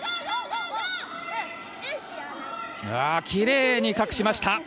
きれいに隠しました。